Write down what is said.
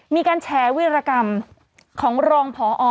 มีการแชร์วิธีกรรมของรองผ่ออ๋อ